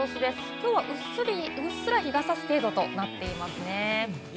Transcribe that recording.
きょうはうっすら日がさす程度となっていますね。